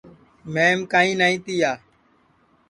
مھیم کائیں نائی تِیا